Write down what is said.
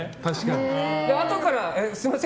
あとから、すみません